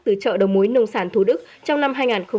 từ chợ đồng mối nông sản thú đức trong năm hai nghìn một mươi tám